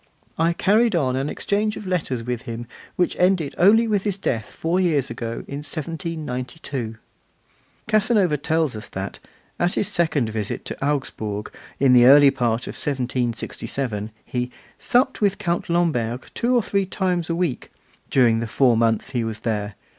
I carried on an exchange of letters with him which ended only with his death four years ago in 1792. Casanova tells us that, at his second visit to Augsburg in the early part of 1767, he 'supped with Count Lamberg two or three times a week,' during the four months he was there.